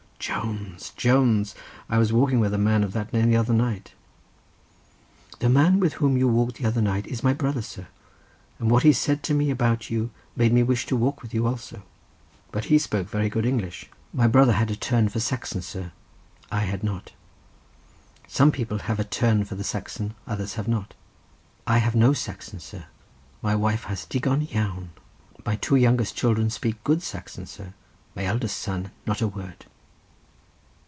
"Jones! Jones! I was walking with a man of that name the other night." "The man with whom you walked the other night is my brother, sir, and what he said to me about you made me wish to walk with you also." "But he spoke very good English." "My brother had a turn for Saxon, sir; I had not. Some people have a turn for the Saxon, others have not. I have no Saxon, sir, my wife has digon iawn—my two youngest children speak good Saxon, sir, my eldest son not a word."